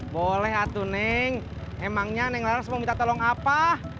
boleh hatuneng emangnya neng laras mau minta tolong apa